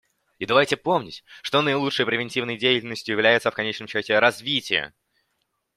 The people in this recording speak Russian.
И давайте помнить, что наилучшей превентивной деятельностью является в конечном счете развитие.